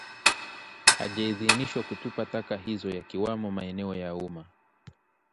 hayajaidhinishwa kutupa taka hizo yakiwamo maeneo ya umma